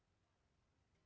kita harus tetap berhenti